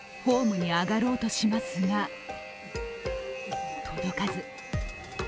ホームに上がろうとしますが届かず。